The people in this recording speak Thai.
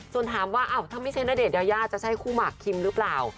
ส่วนถามว่าถ้าไม่ใช่ณเดชนยายาจะใช่คู่หมากคิมหรือเปล่า